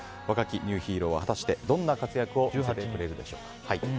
若きニューヒーローは果たしてどんな活躍を見せてくれるでしょうか。